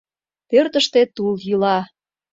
Пӧртыштӧ тул йӱла.